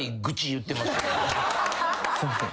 すいません。